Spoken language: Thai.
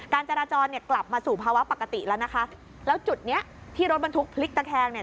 จราจรเนี่ยกลับมาสู่ภาวะปกติแล้วนะคะแล้วจุดเนี้ยที่รถบรรทุกพลิกตะแคงเนี่ย